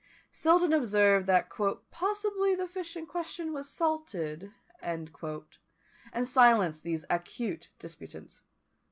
Selden observed, that "possibly the fish in question was salted," and silenced these acute disputants.